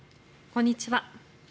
こんにちは。